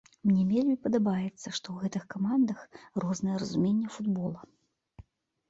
Мне вельмі падабаецца, што ў гэтых камандах рознае разуменне футбола.